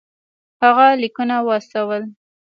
هغه لیکونه واستول.